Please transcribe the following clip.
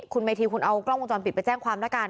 คุณเมธีคุณเอากล้องวงจรปิดไปแจ้งความแล้วกัน